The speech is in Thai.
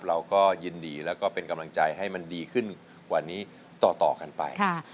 เราก็ยินดีแล้วก็เป็นกำลังใจให้มันดีขึ้นกว่านี้ต่อกันไป